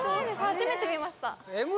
初めて見ました